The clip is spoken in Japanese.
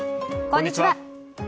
こんにちは。